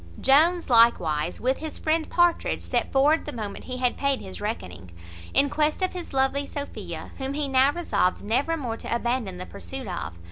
Jones likewise, with his friend Partridge, set forward the moment he had paid his reckoning, in quest of his lovely Sophia, whom he now resolved never more to abandon the pursuit of.